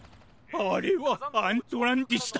あれはアントランティスだ。